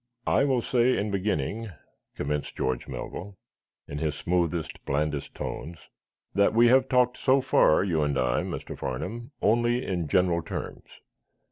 "I will say, in beginning," commenced George Melville, in his smoothest, blandest tones, "that we have talked so far, you and I, Mr. Farnum, only in general terms.